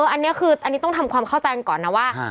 อันนี้ต้องทำความเข้าใจก่อนนะว่า